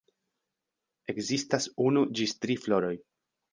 Ekzistas unu ĝis tri floroj.